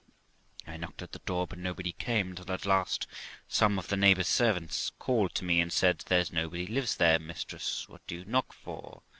'I knocked at the door, but nobody came, till at last some of the neighbours' servants called to me and said, There's nobody lives there, mistress ; what do you knock for